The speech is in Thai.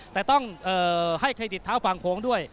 แต่ต้องให้เครดิตเท้าฝั่งโค้งด้วย